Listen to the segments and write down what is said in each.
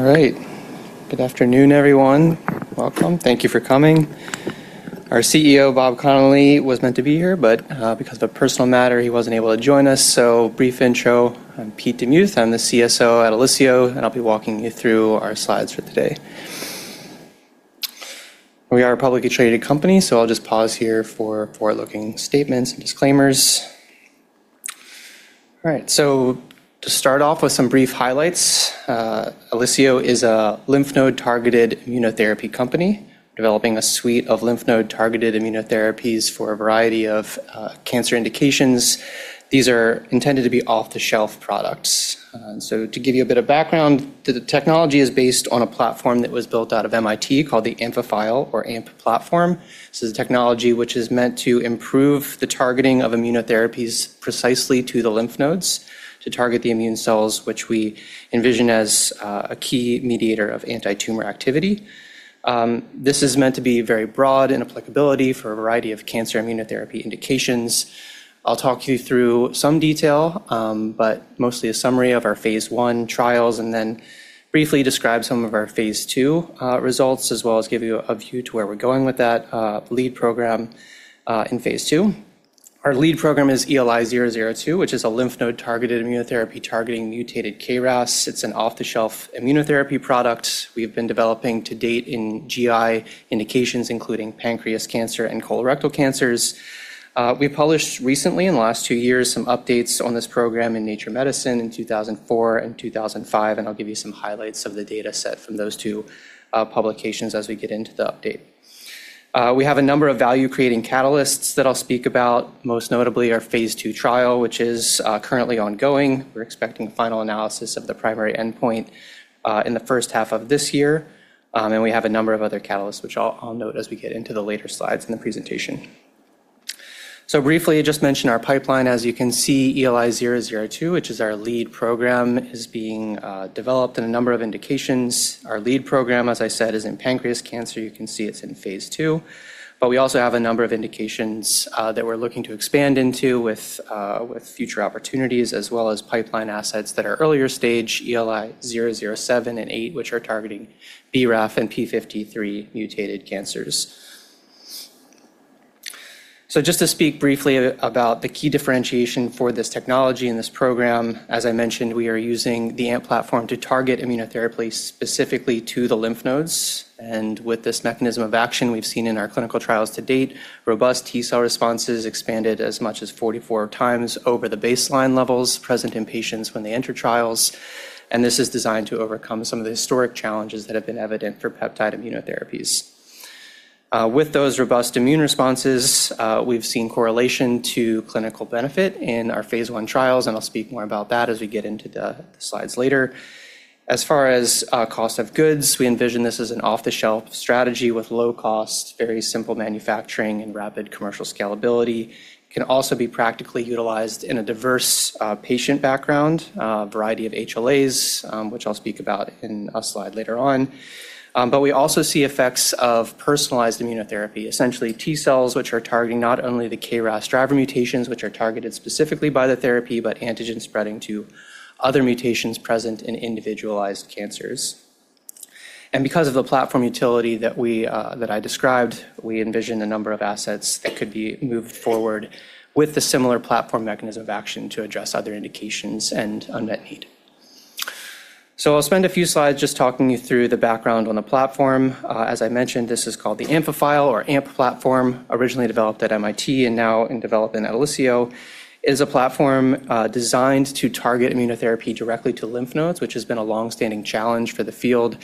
All right. Good afternoon, everyone. Welcome. Thank you for coming. Our CEO, Bob Connelly, was meant to be here, but because of a personal matter, he wasn't able to join us. Brief intro, I'm Pete DeMuth. I'm the CSO at Elicio, and I'll be walking you through our slides for today. We are a publicly traded company, so I'll just pause here for forward-looking statements and disclaimers. All right. To start off with some brief highlights, Elicio is a lymph node targeted immunotherapy company developing a suite of lymph node targeted immunotherapies for a variety of cancer indications. These are intended to be off-the-shelf products. To give you a bit of background, the technology is based on a platform that was built out of MIT called the Amphiphile or AMP platform. This is a technology which is meant to improve the targeting of immunotherapies precisely to the lymph nodes to target the immune cells, which we envision as a key mediator of anti-tumor activity. This is meant to be very broad in applicability for a variety of cancer immunotherapy indications. I'll talk you through some detail, but mostly a summary of our phase 1 trials, and then briefly describe some of our Phase II results, as well as give you a view to where we're going with that lead program in Phase II. Our lead program is ELI-002, which is a lymph node targeted immunotherapy targeting mutated KRAS. It's an off-the-shelf immunotherapy product we've been developing to date in GI indications, including pancreas cancer and colorectal cancers. We published recently in the last two years some updates on this program in Nature Medicine in 2004 and 2005, and I'll give you some highlights of the data set from those two publications as we get into the update. We have a number of value-creating catalysts that I'll speak about, most notably our Phase II trial, which is currently ongoing. We're expecting final analysis of the primary endpoint in the first half of this year. We have a number of other catalysts which I'll note as we get into the later slides in the presentation. Briefly just mention our pipeline. As you can see, ELI-002, which is our lead program, is being developed in a number of indications. Our lead program, as I said, is in pancreas cancer. You can see it's in Phase II. we also have a number of indications that we're looking to expand into with future opportunities, as well as pipeline assets that are earlier stage, ELI-007 and eight, which are targeting BRAF and p53 mutated cancers. Just to speak briefly about the key differentiation for this technology and this program, as I mentioned, we are using the AMP platform to target immunotherapy specifically to the lymph nodes. With this mechanism of action we've seen in our clinical trials to date, robust T-cell responses expanded as much as 44 times over the baseline levels present in patients when they enter trials. This is designed to overcome some of the historic challenges that have been evident for peptide immunotherapies. With those robust immune responses, we've seen correlation to clinical benefit in our phase 1 trials. I'll speak more about that as we get into the slides later. As far as, cost of goods, we envision this as an off-the-shelf strategy with low cost, very simple manufacturing, and rapid commercial scalability. Can also be practically utilized in a diverse, patient background, variety of HLAs, which I'll speak about in a slide later on. We also see effects of personalized immunotherapy. Essentially T-cells, which are targeting not only the KRAS driver mutations, which are targeted specifically by the therapy, but antigen spreading to other mutations present in individualized cancers. Because of the platform utility that we, that I described, we envision a number of assets that could be moved forward with the similar platform mechanism of action to address other indications and unmet need. I'll spend a few slides just talking you through the background on the platform. As I mentioned, this is called the Amphiphile or AMP platform, originally developed at MIT and now in development at Elicio, is a platform designed to target immunotherapy directly to lymph nodes, which has been a long-standing challenge for the field.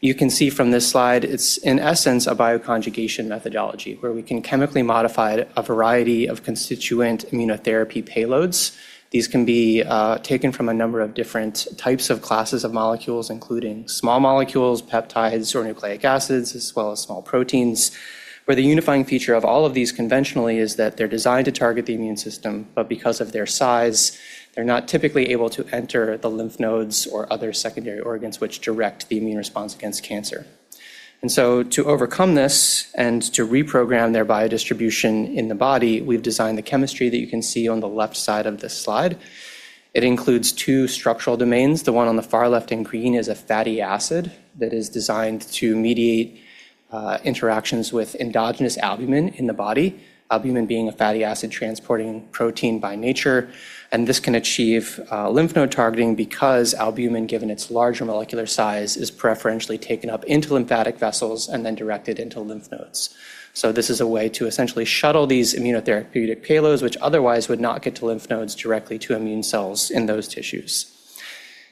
You can see from this slide, it's in essence a bioconjugation methodology where we can chemically modify a variety of constituent immunotherapy payloads. These can be taken from a number of different types of classes of molecules, including small molecules, peptides, or nucleic acids, as well as small proteins, where the unifying feature of all of these conventionally is that they're designed to target the immune system, but because of their size, they're not typically able to enter the lymph nodes or other secondary organs which direct the immune response against cancer. To overcome this and to reprogram their biodistribution in the body, we've designed the chemistry that you can see on the left side of this slide. It includes two structural domains. The one on the far left in green is a fatty acid that is designed to mediate interactions with endogenous albumin in the body. Albumin being a fatty acid transporting protein by nature, this can achieve lymph node targeting because albumin, given its larger molecular size, is preferentially taken up into lymphatic vessels and then directed into lymph nodes. This is a way to essentially shuttle these immunotherapeutic payloads, which otherwise would not get to lymph nodes directly to immune cells in those tissues.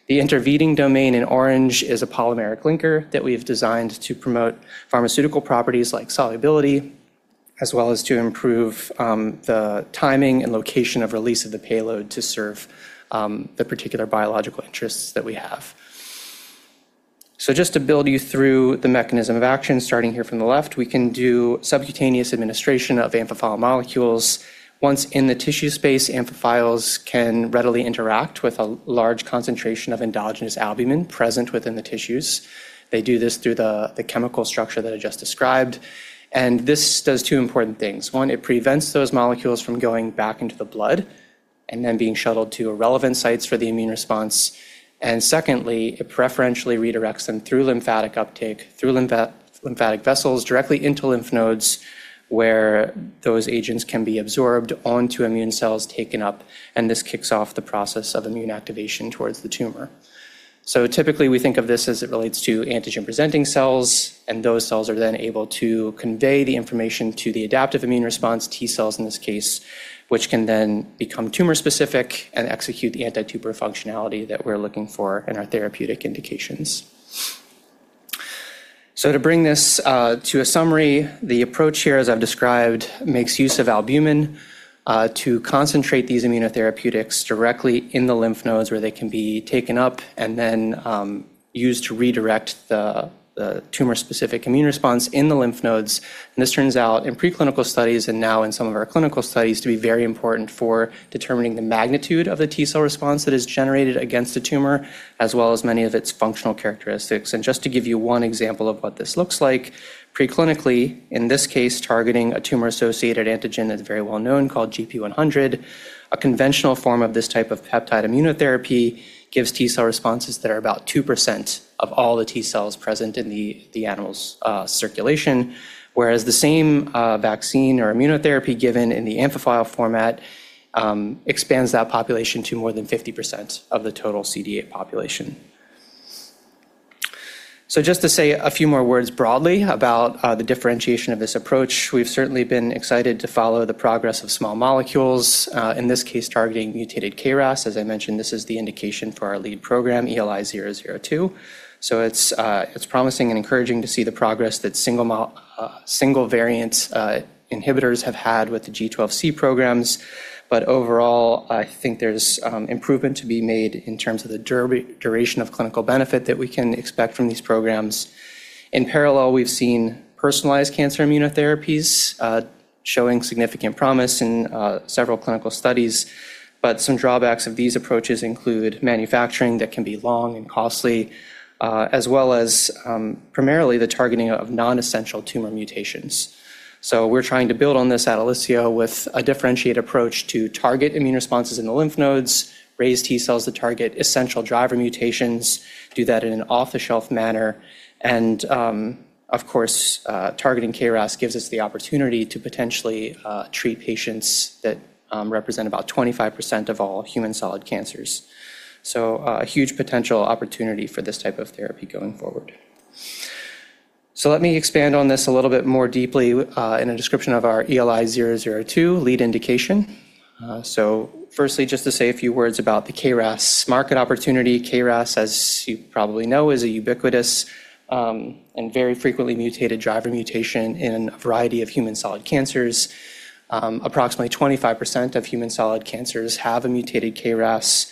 The intervening domain in orange is a polymeric linker that we've designed to promote pharmaceutical properties like solubility, as well as to improve the timing and location of release of the payload to serve the particular biological interests that we have. Just to build you through the mechanism of action, starting here from the left, we can do subcutaneous administration of Amphiphile molecules. Once in the tissue space, Amphiphiles can readily interact with a large concentration of endogenous albumin present within the tissues. They do this through the chemical structure that I just described. This does two important things. One, it prevents those molecules from going back into the blood. And then being shuttled to relevant sites for the immune response. Secondly, it preferentially redirects them through lymphatic uptake, through lymphatic vessels directly into lymph nodes, where those agents can be absorbed onto immune cells taken up, and this kicks off the process of immune activation towards the tumor. Typically, we think of this as it relates to antigen-presenting cells, and those cells are then able to convey the information to the adaptive immune response T cells in this case, which can then become tumor specific and execute the anti-tumor functionality that we're looking for in our therapeutic indications. To bring this to a summary, the approach here, as I've described, makes use of albumin to concentrate these immunotherapeutics directly in the lymph nodes where they can be taken up and then used to redirect the tumor-specific immune response in the lymph nodes. This turns out in preclinical studies and now in some of our clinical studies, to be very important for determining the magnitude of the T cell response that is generated against the tumor, as well as many of its functional characteristics. Just to give you one example of what this looks like, preclinically, in this case, targeting a tumor-associated antigen that's very well known, called gp100, a conventional form of this type of peptide immunotherapy gives T cell responses that are about 2% of all the T cells present in the animal's circulation. Whereas the same vaccine or immunotherapy given in the Amphiphile format expands that population to more than 50% of the total CD8 population. Just to say a few more words broadly about the differentiation of this approach, we've certainly been excited to follow the progress of small molecules in this case, targeting mutated KRAS. As I mentioned, this is the indication for our lead program, ELI-002. It's promising and encouraging to see the progress that single variant inhibitors have had with the G12C programs. Overall, I think there's improvement to be made in terms of the duration of clinical benefit that we can expect from these programs. In parallel, we've seen personalized cancer immunotherapies showing significant promise in several clinical studies. Some drawbacks of these approaches include manufacturing that can be long and costly, as well as primarily the targeting of non-essential tumor mutations. We're trying to build on this at Elicio with a differentiated approach to target immune responses in the lymph nodes, raise T cells to target essential driver mutations, do that in an off-the-shelf manner. Of course, targeting KRAS gives us the opportunity to potentially treat patients that represent about 25% of all human solid cancers. A huge potential opportunity for this type of therapy going forward. Let me expand on this a little bit more deeply in a description of our ELI-002 lead indication. Firstly, just to say a few words about the KRAS market opportunity. KRAS, as you probably know, is a ubiquitous, and very frequently mutated driver mutation in a variety of human solid cancers. Approximately 25% of human solid cancers have a mutated KRAS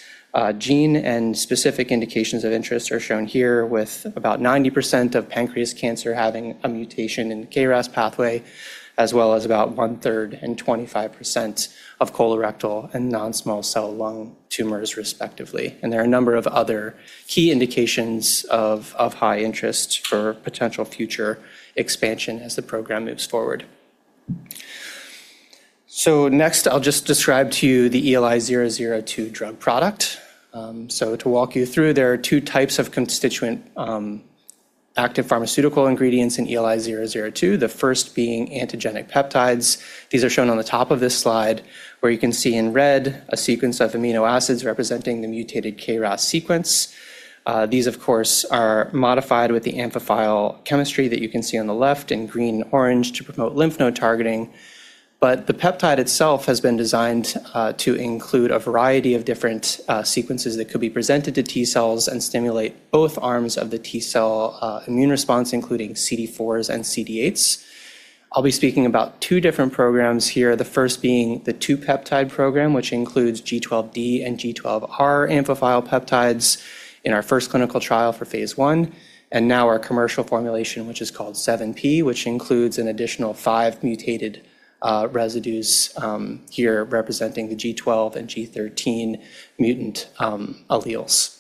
gene, and specific indications of interest are shown here, with about 90% of pancreas cancer having a mutation in the KRAS pathway, as well as about one-third and 25% of colorectal and non-small cell lung tumors, respectively. There are a number of other key indications of high interest for potential future expansion as the program moves forward. Next, I'll just describe to you the ELI-002 drug product. To walk you through, there are two types of constituent active pharmaceutical ingredients in ELI-002, the first being antigenic peptides. These are shown on the top of this slide, where you can see in red a sequence of amino acids representing the mutated KRAS sequence. These, of course, are modified with the amphiphile chemistry that you can see on the left in green and orange to promote lymph node targeting. The peptide itself has been designed to include a variety of different sequences that could be presented to T cells and stimulate both arms of the T cell immune response, including CD4s and CD8s. I'll be speaking about two different programs here, the first being the 2-peptide program, which includes G12D and G12R amphiphile peptides in our first clinical trial for Phase I, and now our commercial formulation, which is called 7P, which includes an additional 5 mutated residues here representing the G12 and G13 mutant alleles.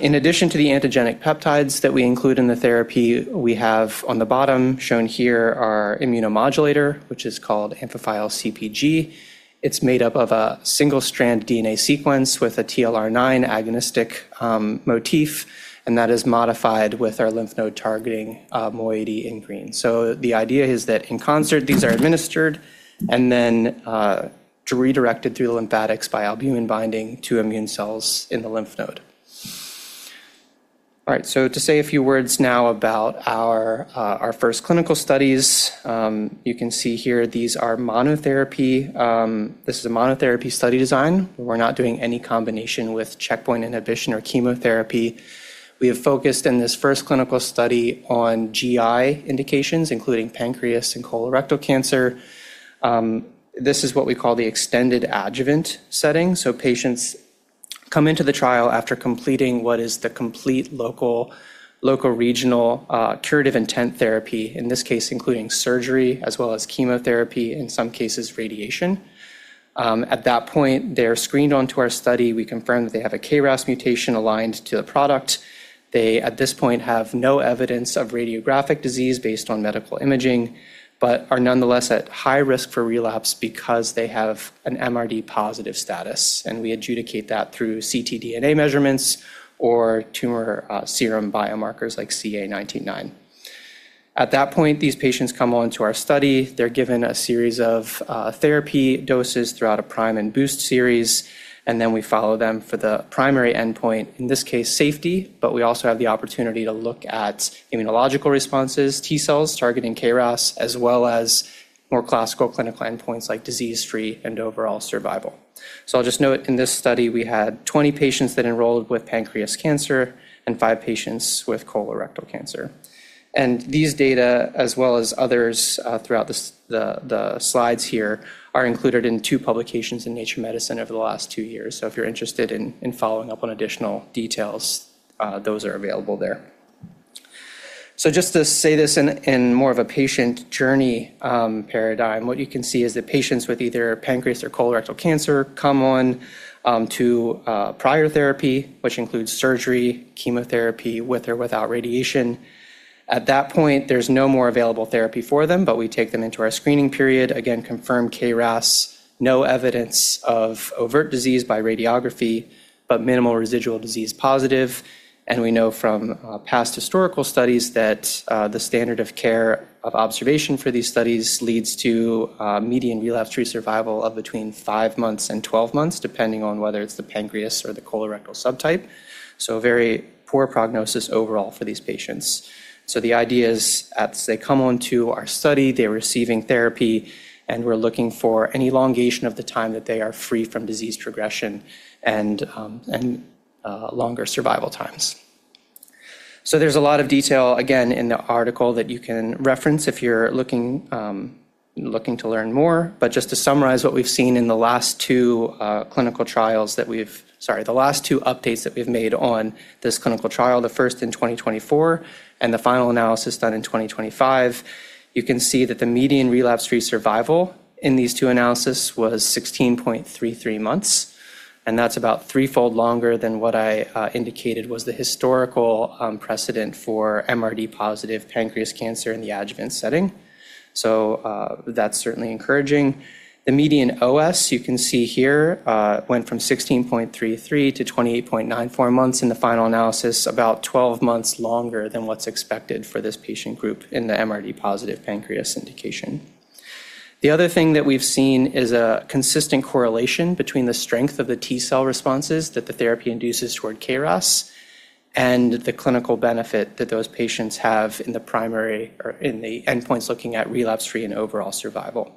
In addition to the antigenic peptides that we include in the therapy, we have on the bottom, shown here, our immunomodulator, which is called Amphiphile-CpG. It's made up of a single-strand DNA sequence with a TLR9 agonistic motif, and that is modified with our lymph node targeting moiety in green. The idea is that in concert, these are administered and then redirected through the lymphatics by albumin binding to immune cells in the lymph node. All right, to say a few words now about our first clinical studies. You can see here this is a monotherapy study design. We're not doing any combination with checkpoint inhibition or chemotherapy. We have focused in this first clinical study on GI indications, including pancreas and colorectal cancer. This is what we call the extended adjuvant setting. Patients come into the trial after completing what is the complete local regional curative intent therapy, in this case, including surgery as well as chemotherapy, in some cases, radiation. At that point, they're screened onto our study. We confirm that they have a KRAS mutation aligned to the product. They, at this point, have no evidence of radiographic disease based on medical imaging, but are nonetheless at high risk for relapse because they have an MRD positive status, and we adjudicate that through ctDNA measurements or tumor, serum biomarkers like CA19-9. At that point, these patients come onto our study. They're given a series of therapy doses throughout a prime and boost series, we follow them for the primary endpoint, in this case, safety. We also have the opportunity to look at immunological responses, T cells targeting KRAS, as well as more classical clinical endpoints like disease-free and overall survival. I'll just note in this study, we had 20 patients that enrolled with pancreas cancer and five patients with colorectal cancer. These data, as well as others, throughout the slides here, are included in two publications in Nature Medicine over the last two years. If you're interested in following up on additional details, those are available there. Just to say this in more of a patient journey, paradigm, what you can see is that patients with either pancreas or colorectal cancer come on to prior therapy, which includes surgery, chemotherapy with or without radiation. At that point, there's no more available therapy for them, but we take them into our screening period. Again, confirm KRAS, no evidence of overt disease by radiography, but minimal residual disease positive. We know from past historical studies that the standard of care of observation for these studies leads to median relapse-free survival of between five months and 12 months, depending on whether it's the pancreas or the colorectal subtype. A very poor prognosis overall for these patients. The idea is as they come onto our study, they're receiving therapy, and we're looking for an elongation of the time that they are free from disease progression and longer survival times. There's a lot of detail, again, in the article that you can reference if you're looking to learn more. Just to summarize what we've seen in the last two updates that we've made on this clinical trial, the first in 2024 and the final analysis done in 2025, you can see that the median relapse-free survival in these two analysis was 16.33 months, that's about threefold longer than what I indicated was the historical precedent for MRD positive pancreas cancer in the adjuvant setting. That's certainly encouraging. The median OS, you can see here, went from 16.33 to 28.94 months in the final analysis, about 12 months longer than what's expected for this patient group in the MRD positive pancreas indication. The other thing that we've seen is a consistent correlation between the strength of the T cell responses that the therapy induces toward KRAS and the clinical benefit that those patients have in the primary or in the endpoints looking at relapse-free and overall survival.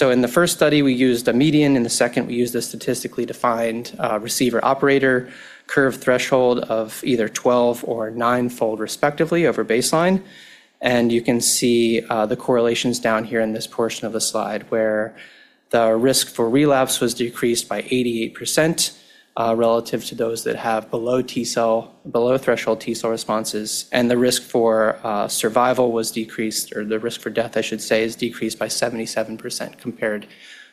In the first study, we used a median. In the second, we used a statistically defined, Receiver Operating Characteristic curve threshold of either 12 or 9-fold respectively over baseline. You can see the correlations down here in this portion of the slide where the risk for relapse was decreased by 88%, relative to those that have below threshold T cell responses. The risk for survival was decreased, or the risk for death, I should say, is decreased by 77% compared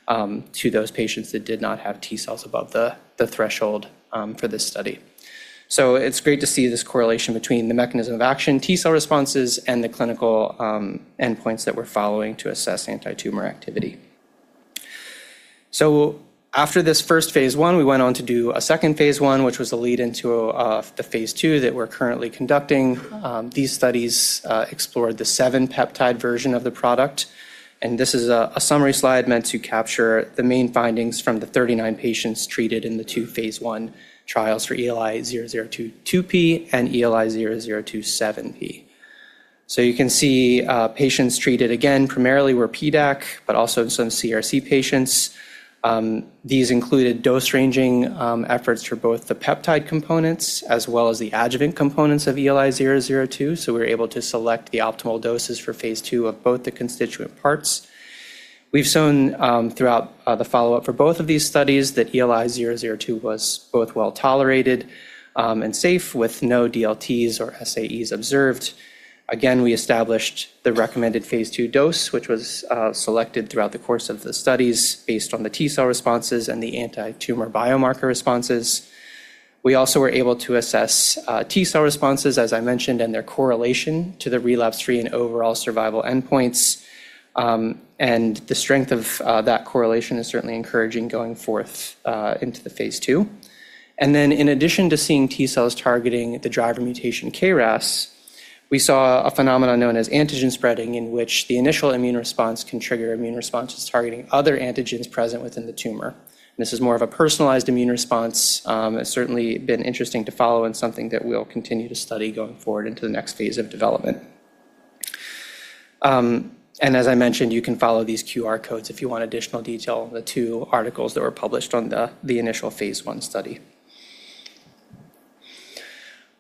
to those patients that did not have T cells above the threshold for this study. It's great to see this correlation between the mechanism of action, T cell responses, and the clinical endpoints that we're following to assess antitumor activity. After this first Phase I, we went on to do a second Phase I, which was the lead into the Phase II that we're currently conducting. These studies explored the 7-peptide version of the product, and this is a summary slide meant to capture the main findings from the 39 patients treated in the 2 Phase I trials for ELI-002 2P and ELI-002 7P. You can see patients treated again primarily were PDAC, but also some CRC patients. These included dose-ranging efforts for both the peptide components as well as the adjuvant components of ELI-002. We were able to select the optimal doses for Phase II of both the constituent parts. We've shown throughout the follow-up for both of these studies that ELI-002 was both well-tolerated and safe with no DLTs or SAEs observed. We established the recommended Phase II dose, which was selected throughout the course of the studies based on the T cell responses and the antitumor biomarker responses. We also were able to assess T cell responses, as I mentioned, and their correlation to the relapse-free and overall survival endpoints. The strength of that correlation is certainly encouraging going forth into the Phase II. In addition to seeing T cells targeting the driver mutation KRAS, we saw a phenomenon known as antigen spreading, in which the initial immune response can trigger immune responses targeting other antigens present within the tumor. This is more of a personalized immune response. It's certainly been interesting to follow and something that we'll continue to study going forward into the next phase of development. As I mentioned, you can follow these QR codes if you want additional detail on the two articles that were published on the initial Phase I study.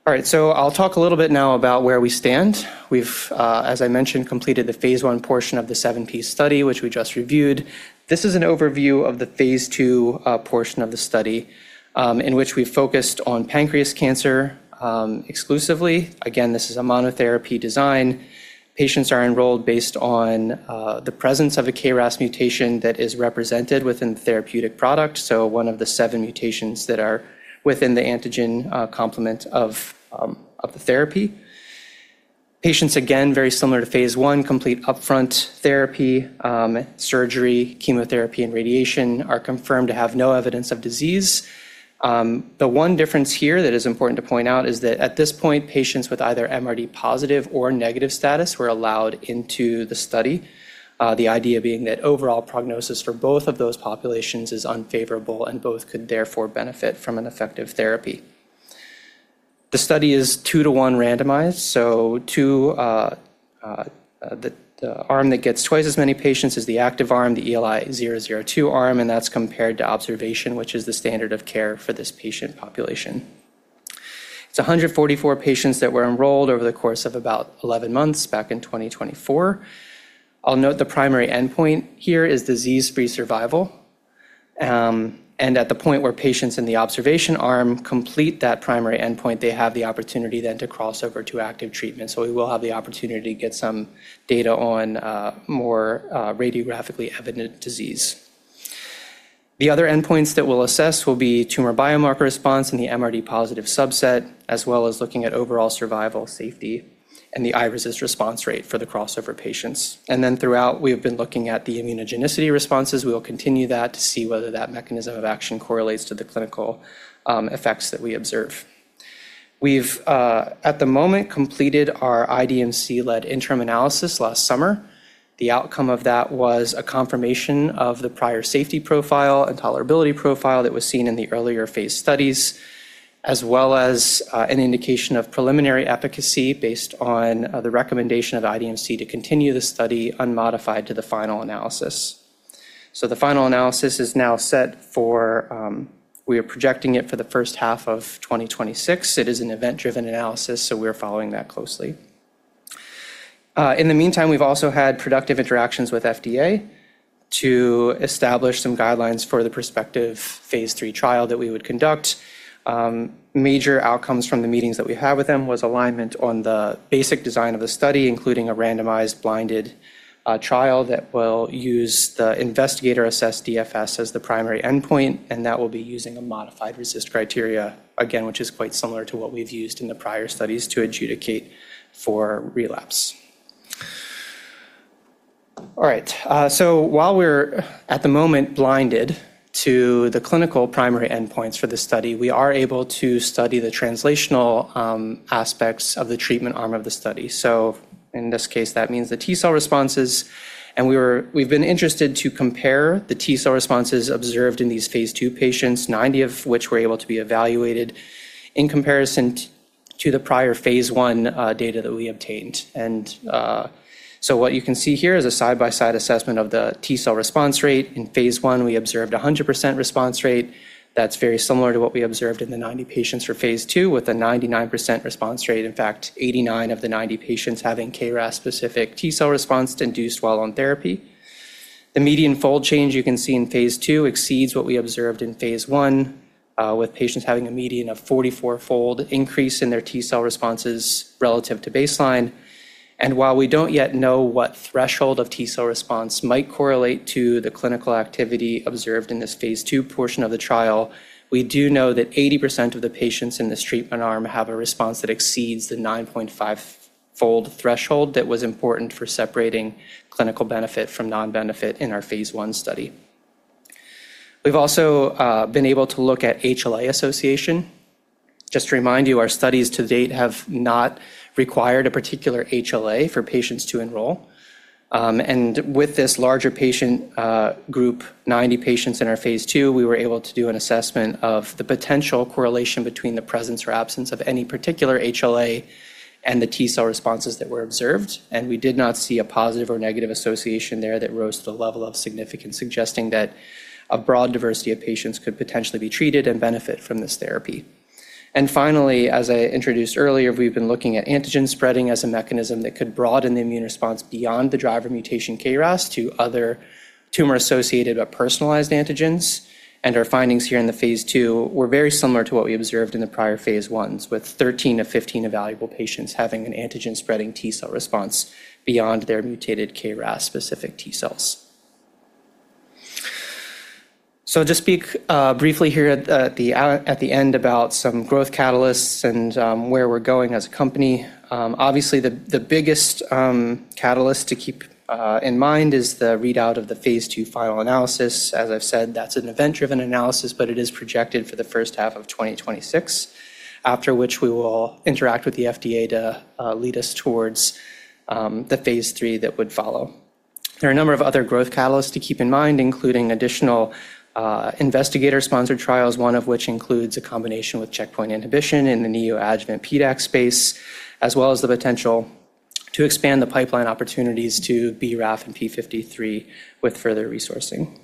I'll talk a little bit now about where we stand. We've, as I mentioned, completed the Phase I portion of the 7P study, which we just reviewed. This is an overview of the Phase II portion of the study, in which we focused on pancreas cancer exclusively. Again, this is a monotherapy design. Patients are enrolled based on the presence of a KRAS mutation that is represented within the therapeutic product, so one of the seven mutations that are within the antigen complement of the therapy. Patients, again, very similar to Phase I, complete upfront therapy, surgery, chemotherapy, and radiation are confirmed to have no evidence of disease. The one difference here that is important to point out is that at this point, patients with either MRD positive or negative status were allowed into the study. The idea being that overall prognosis for both of those populations is unfavorable and both could therefore benefit from an effective therapy. The study is 2 to 1 randomized. So two -the arm that gets twice as many patients is the active arm, the ELI-002 arm, and that's compared to observation, which is the standard of care for this patient population. It's 144 patients that were enrolled over the course of about 11 months back in 2024. I'll note the primary endpoint here is disease-free survival. At the point where patients in the observation arm complete that primary endpoint, they have the opportunity then to cross over to active treatment. We will have the opportunity to get some data on more radiographically evident disease. The other endpoints that we'll assess will be tumor biomarker response in the MRD positive subset, as well as looking at overall survival, safety, and the iRECIST response rate for the crossover patients. Throughout, we have been looking at the immunogenicity responses. We will continue that to see whether that mechanism of action correlates to the clinical effects that we observe. We've at the moment completed our IDMC-led interim analysis last summer. The outcome of that was a confirmation of the prior safety profile and tolerability profile that was seen in the earlier phase studies, as well as an indication of preliminary efficacy based on the recommendation of IDMC to continue the study unmodified to the final analysis. The final analysis is now set for we are projecting it for the first half of 2026. It is an event-driven analysis, so we're following that closely. In the meantime, we've also had productive interactions with FDA to establish some guidelines for the prospective Phase III trial that we would conduct. Major outcomes from the meetings that we had with them was alignment on the basic design of the study, including a randomized blinded trial that will use the investigator-assessed DFS as the primary endpoint, and that will be using a modified RECIST criteria, again, which is quite similar to what we've used in the prior studies to adjudicate for relapse. All right. While we're at the moment blinded to the clinical primary endpoints for this study, we are able to study the translational aspects of the treatment arm of the study. In this case, that means the T cell responses, and we've been interested to compare the T cell responses observed in these Phase II patients, 90 of which were able to be evaluated in comparison to the prior Phase I data that we obtained. What you can see here is a side-by-side assessment of the T cell response rate. In phase 1, we observed a 100% response rate. That's very similar to what we observed in the 90 patients for Phase II with a 99% response rate. In fact, 89 of the 90 patients having KRAS specific T cell response to induced while on therapy. The median fold change you can see in Phase II exceeds what we observed in Phase I, with patients having a median of 44-fold increase in their T cell responses relative to baseline. While we don't yet know what threshold of T cell response might correlate to the clinical activity observed in this Phase II portion of the trial, we do know that 80% of the patients in this treatment arm have a response that exceeds the 9.5-fold threshold that was important for separating clinical benefit from non-benefit in our Phase I study. We've also been able to look at HLA association. Just to remind you, our studies to date have not required a particular HLA for patients to enroll. With this larger patient group, 90 patients in our Phase II, we were able to do an assessment of the potential correlation between the presence or absence of any particular HLA and the T cell responses that were observed. We did not see a positive or negative association there that rose to the level of significance, suggesting that a broad diversity of patients could potentially be treated and benefit from this therapy. Finally, as I introduced earlier, we've been looking at antigen spreading as a mechanism that could broaden the immune response beyond the driver mutation KRAS to other tumor-associated but personalized antigens. Our findings here in the Phase II were very similar to what we observed in the prior Phase Is, with 13 to 15 evaluable patients having an antigen spreading T cell response beyond their mutated KRAS specific T cells. I'll just speak briefly here at the end about some growth catalysts and where we're going as a company. Obviously, the biggest catalyst to keep in mind is the readout of the Phase II final analysis. As I've said, that's an event-driven analysis, but it is projected for the first half of 2026, after which we will interact with the FDA to lead us towards the Phase III that would follow. There are a number of other growth catalysts to keep in mind, including additional investigator-sponsored trials, one of which includes a combination with checkpoint inhibition in the neoadjuvant PDAC space, as well as the potential to expand the pipeline opportunities to BRAF and p53 with further resourcing.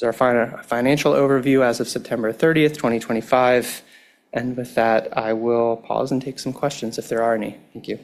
Our financial overview as of September 30th, 2025. With that, I will pause and take some questions if there are any. Thank you.